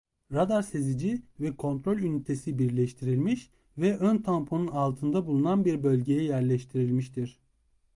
Radar sezici ve kontrol ünitesi birleştirilmiş ve ön tamponun altında bulunan bir bölgeye yerleştirilmiştir.